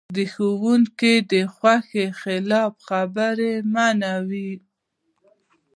د ښوونکي د خوښې خلاف خبرې منع وې.